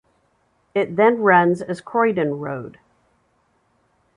It then runs as Croydon Road.